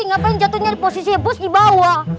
ngapain jatuhnya di posisi bos di bawah